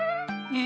え？